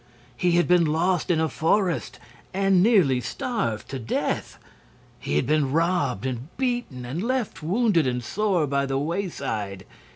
He had been lost in a forest and nearly starved to death. He had been robbed and beaten and left wounded and sore by the wayside.